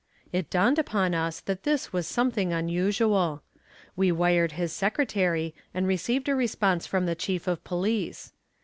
It dawned upon us that this was something unusual. We wired his secretary and received a response from the chief of police.